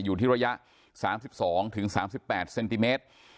อยู่ที่ระยะ๓๒๓๘เซนติเมตร